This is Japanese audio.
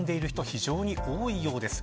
非常に多いようです。